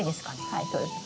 はいそうです。